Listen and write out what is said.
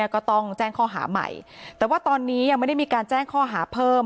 ก็ต้องแจ้งข้อหาใหม่แต่ว่าตอนนี้ยังไม่ได้มีการแจ้งข้อหาเพิ่ม